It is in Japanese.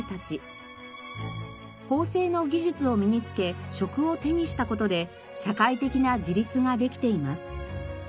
縫製の技術を身につけ職を手にした事で社会的な自立ができています。